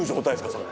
それ。